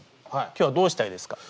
今日はどうしたいですか？